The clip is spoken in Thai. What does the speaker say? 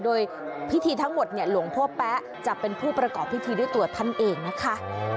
โดยพิธีทั้งหมดเนี่ยหลวงพ่อแป๊ะจะเป็นผู้ประกอบพิธีด้วยตัวท่านเองนะคะ